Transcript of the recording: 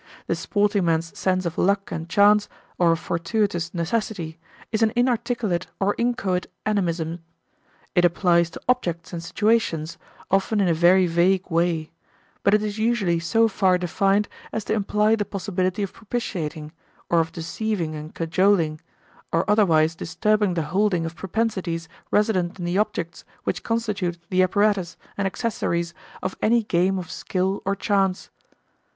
The sporting man's sense of luck and chance, or of fortuitous necessity, is an inarticulate or inchoate animism. It applies to objects and situations, often in a very vague way; but it is usually so far defined as to imply the possibility of propitiating, or of deceiving and cajoling, or otherwise disturbing the holding of propensities resident in the objects which constitute the apparatus and accessories of any game of skill or chance.